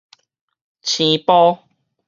青埔